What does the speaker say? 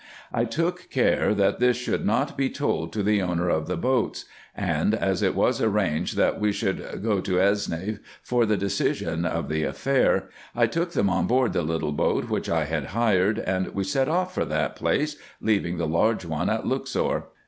I took care, that this should not be told to the owner of the boats ; and, as it was arranged that we should go to Esne for the decision of the affair, I took them on board the little boat which I had hired, and we set off for that place, leaving the large one at Luxor.